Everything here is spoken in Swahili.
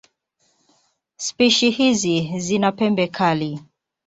Spishi hizi zina pembe kali.